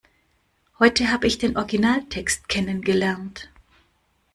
Heute habe ich den Originaltext kennen gelernt.